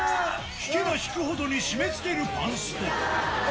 引けば引くほどに締めつけるパンスト。